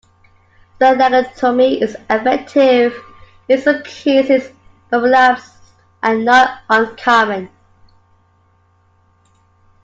Splenectomy is effective in some cases, but relapses are not uncommon.